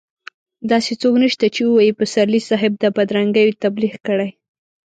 داسې څوک نشته چې ووايي پسرلي صاحب د بدرنګيو تبليغ کړی.